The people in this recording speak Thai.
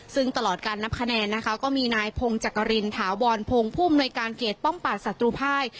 ซึ่งตลอดการนับคะแนนนะคะก็มีนายพงศ์จักรินถาวรพงศ์ผู้อำนวยการเขตป้องป่าศัตรูภาย